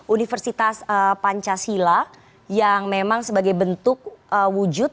universitas pancasila yang memang sebagai bentuk wujud